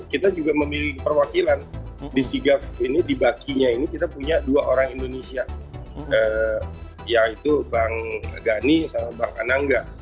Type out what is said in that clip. kita juga memiliki perwakilan di sigaf ini di baki nya ini kita punya dua orang indonesia yaitu bang gani sama bang anangga